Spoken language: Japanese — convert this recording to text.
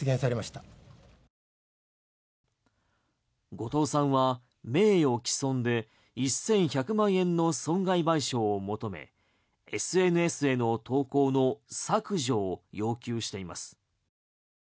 後藤さんは名誉毀損で１１００万円の損害賠償を求めＳＮＳへの投稿の削除を要求しています。